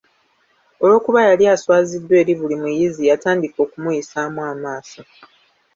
Olw’okuba yali aswaziddwa eri buli muyizi yatandika okumuyisaamu amaaso.